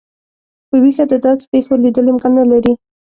په ویښه د داسي پیښو لیدل امکان نه لري.